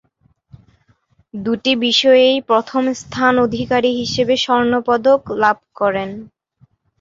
দুটি বিষয়েই প্রথম স্থান অধিকারী হিসাবে স্বর্ণ পদক লাভ করেন।